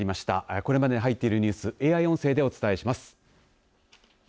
これまでに入っているニュースＡＩ音声でお伝えします。